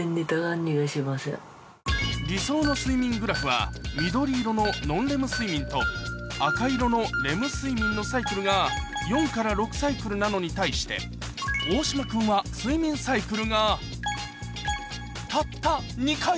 理想の睡眠グラフは緑色のノンレム睡眠と赤色のレム睡眠のサイクルが４６サイクルなのに対して大島君は睡眠サイクルがたった２回！